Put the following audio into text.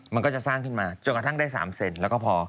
มันก็จะสร้างขึ้นมาจนกระทั่งได้๓เซนแล้วก็พอ